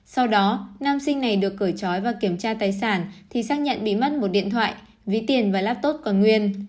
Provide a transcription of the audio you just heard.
sau đó nam sinh này được cởi trói và kiểm tra tài sản thì xác nhận bị mất một điện thoại ví tiền và laptop còn nguyên